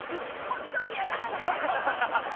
本当にやめさせて！